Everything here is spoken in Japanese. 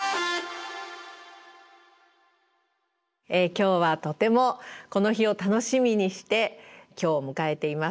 今日はとてもこの日を楽しみにして今日を迎えています。